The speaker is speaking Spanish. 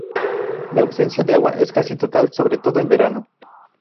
La ausencia de agua es casi total, sobre todo en verano.